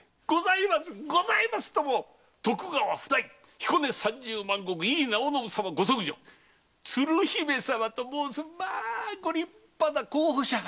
彦根三十万石井伊直惟様ご息女・鶴姫様と申すご立派な候補者が！